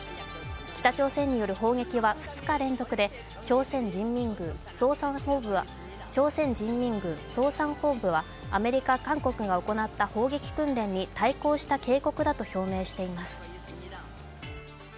北朝鮮による砲撃は２日連続で朝鮮人民軍総参謀部はアメリカ、韓国が行った砲撃訓練に対抗した警告だと表明しています。